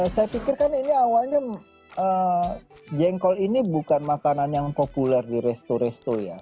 saya pikir kan ini awalnya jengkol ini bukan makanan yang populer di resto resto ya